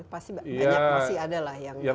pasti banyak masih ada lah yang